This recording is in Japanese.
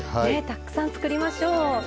たくさん作りましょう。